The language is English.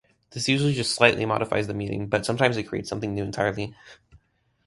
This usually just slightly modifies the meaning, but sometimes it creates something new entirely.